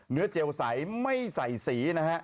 เนื้อเจลใสไม่ใสสี